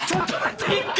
ちょっと待って。